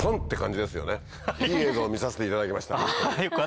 いい映像を見させていただきました。